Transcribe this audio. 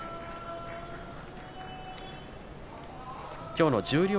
きょうの十両